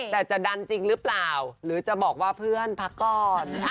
แต่จะดันจริงหรือเปล่าหรือจะบอกว่าเพื่อนพักก่อน